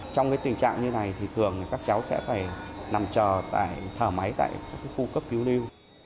trong tình trạng như này thì thường các cháu sẽ phải nằm chờ thở máy tại khu cấp cứu lưu